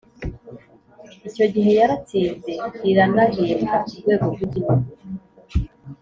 icyo gihe yaratsinze iranahembwa ku rwego rw’igihugu